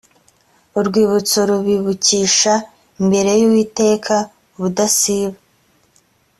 urwibutso rubibukisha imbere y uwiteka ubudasiba.